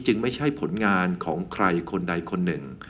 ไม่ใช่ผลงานของใครคนใดคนหนึ่ง